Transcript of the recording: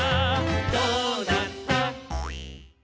「どうなった？」